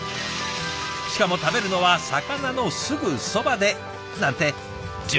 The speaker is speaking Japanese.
しかも食べるのは魚のすぐそばでなんて充実してますね。